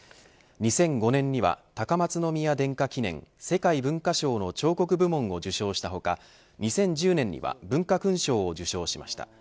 ２００５年には高松宮殿下記念世界文化賞の彫刻部門を受賞した他２０１０年には文化勲章を受章しました。